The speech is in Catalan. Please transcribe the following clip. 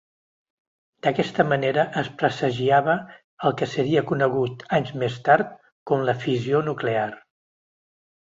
D'aquesta manera es presagiava el que seria conegut anys més tard com la fissió nuclear.